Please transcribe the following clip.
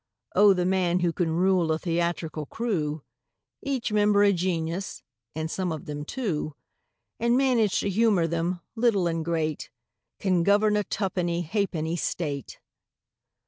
Oh, the man who can rule a theatrical crew, Each member a genius (and some of them two), And manage to humour them, little and great, Can govern a tuppenny ha'penny State!